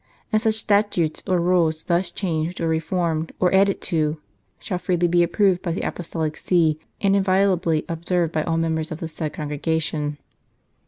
And such statutes or rules thus changed or reformed or added to shall be freely approved by the Apostolic See, and inviolably observed by all members of the said Congregation."